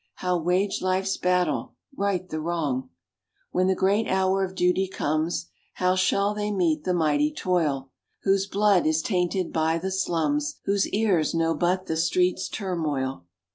How wage life's battle, right the wrong? When the great hour of duty comes, How shall they meet the mighty toil, Whose blood is tainted by the slums, Whose ears know but the street's turmoil?